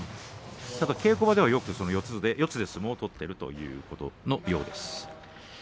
ただ稽古場では四つで相撲を取っているということのようです。